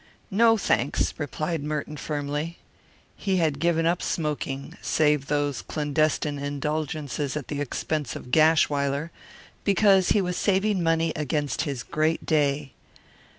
"No, thanks," replied Merton firmly. He had lately given up smoking save those clandestine indulgences at the expense of Gashwiler because he was saving money against his great day.